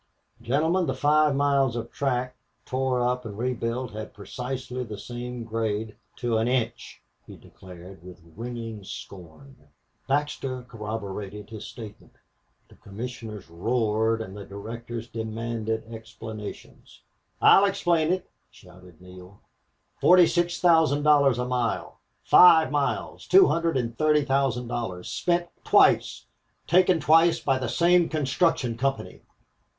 "Gentlemen, the five miles of track torn up and rebuilt had precisely the same grade, to an inch!" he declared, with ringing scorn. Baxter corroborated his statement. The commissioners roared and the directors demanded explanations. "I'll explain it," shouted Neale. "Forty six thousand dollars a mile! Five miles two hundred and thirty thousand dollars! Spent twice! Taken twice by the same construction company!"